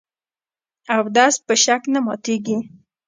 اودس په شک نه ماتېږي .